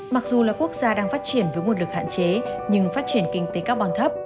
mặc dù là quốc gia đang phát triển với nguồn lực hạn chế nhưng phát triển kinh tế carbon thấp